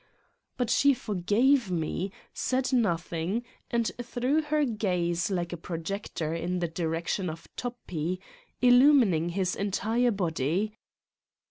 But she forgave me, said nothing and threw her gaze like a projector in the direction of Toppi, illumining his entire body.